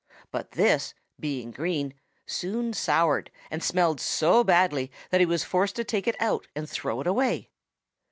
But this, being green, soon soured and smelled so badly that he was forced to take it out and throw it away.